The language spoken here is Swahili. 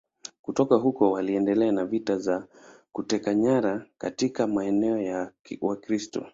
Kutoka huko waliendelea na vita za kuteka nyara katika maeneo ya Wakristo.